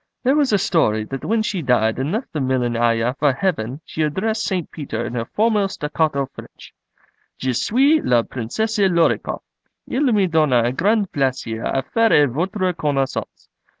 There was a story that when she died and left the Millionaya for Heaven she addressed St. Peter in her formal staccato French: 'Je suis la Princesse Lor i koff. Il me donne grand plaisir à faire votre connaissance.